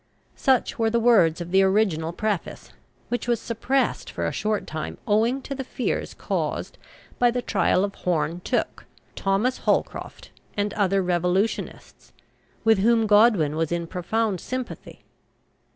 Such were the words of the original preface, which was suppressed for a short time owing to the fears caused by the trial of Horne Tooke, Thomas Holcroft and other revolutionists, with whom Godwin was in profound sympathy.